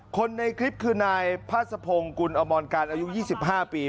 คนในคลิปคือนายพาสะพงศ์กุลอมรการอายุ๒๕ปี